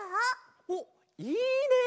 おっいいね！